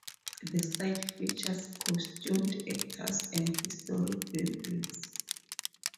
The site features costumed actors and historic buildings.